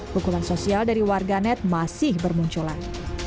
hukuman sosial dari warganet masih bermunculan